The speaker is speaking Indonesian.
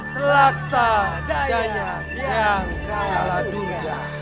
selaksa daya yang kaladurga